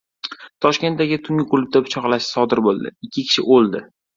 Toshkentdagi tungi klubda pichoqlashish sodir bo‘ldi. Ikki kishi o‘ldi